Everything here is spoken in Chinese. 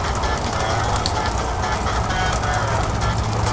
硼烷衍生物双长叶烯基硼烷在有机合成中用作手性硼氢化试剂。